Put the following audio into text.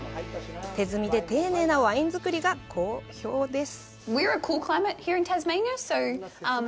手摘みで丁寧なワイン造りが好評です。